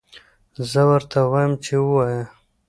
زه ورته وایم چې ووایه.